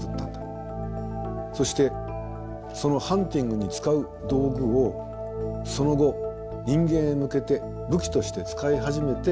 そしてそのハンティングに使う道具をその後人間へ向けて武器として使い始めて戦争を始めた。